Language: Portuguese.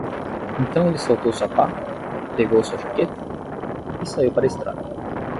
Então ele soltou sua pá? pegou sua jaqueta? e saiu para a estrada.